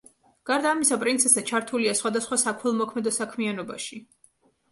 გარდა ამისა, პრინცესა ჩართულია სხვადასხვა საქველმოქმედო საქმიანობაში.